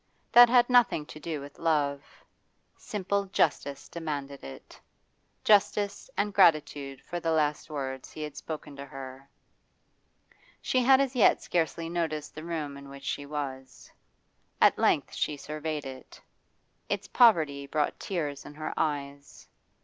That had nothing to do with love; simple justice demanded it. Justice and gratitude for the last words he had spoken to her. She had as yet scarcely noticed the room in which she was. At length she surveyed it; its poverty brought tears in her eyes.